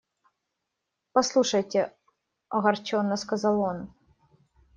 – Послушайте! – огорченно сказал он.